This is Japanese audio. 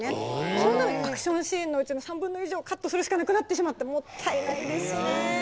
そのためアクションシーンのうちの３分の１をカットするしかなくなってしまってもったいないですね。